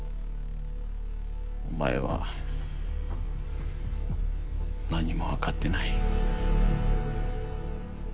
お前は何も分かってない。